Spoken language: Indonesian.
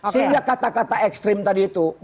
sehingga kata kata ekstrim tadi itu